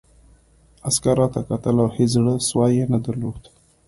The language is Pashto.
عسکر راته کتل او هېڅ زړه سوی یې نه درلود